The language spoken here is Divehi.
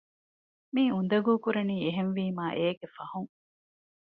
މި އުނދަގޫކުރަނީ އެހެންވީމާ އޭގެ ފަހުން